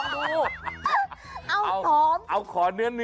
ลงนะลองดูลงดู